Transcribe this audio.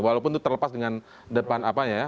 walaupun itu terlepas dengan depan apanya ya